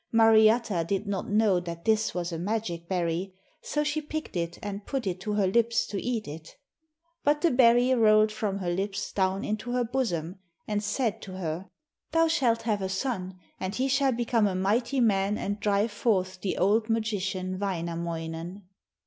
Mariatta did not know that this was a magic berry, so she picked it and put it to her lips to eat it. But the berry rolled from her lips down into her bosom, and said to her: 'Thou shalt have a son, and he shall become a mighty man and drive forth the old magician Wainamoinen.'